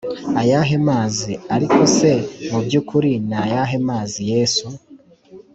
ayahe mazi ariko se mu by ukuri ni ayahe mazi Yesu